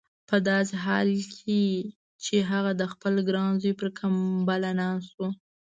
په داسې حال کې چې هغه د خپل ګران زوی پر کمبله ناست و.